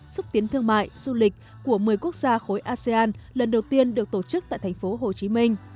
xúc tiến thương mại du lịch của một mươi quốc gia khối asean lần đầu tiên được tổ chức tại thành phố hồ chí minh